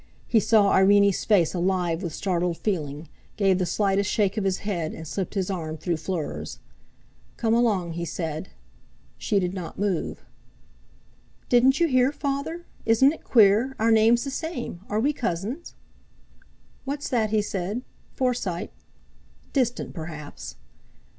He saw Irene's face alive with startled feeling, gave the slightest shake of his head, and slipped his arm through Fleur's. "Come along!" he said. She did not move. "Didn't you hear, Father? Isn't it queer—our name's the same. Are we cousins?" "What's that?" he said. "Forsyte? Distant, perhaps."